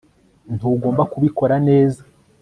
ntugomba kubikora neza